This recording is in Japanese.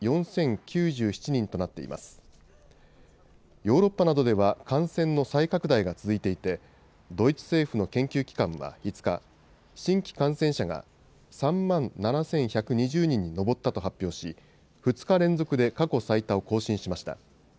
ヨーロッパなどでは感染の再拡大が続いていてドイツ政府の研究機関は５日、新規感染者が３万７１２０人に上ったと発表し２日連続で過去最多を更新しました。